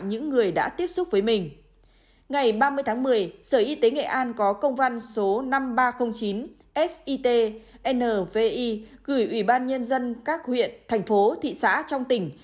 ngày ba mươi tháng một mươi sở y tế nghệ an có công văn số năm nghìn ba trăm linh chín sit nvi gửi ủy ban nhân dân các huyện thành phố thị xã trong tỉnh